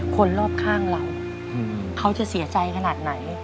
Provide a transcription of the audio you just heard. คนรอบข้างเราเขาจะเสียใจขนาดไหน